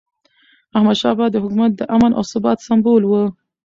احمدشاه بابا د حکومت د امن او ثبات سمبول و.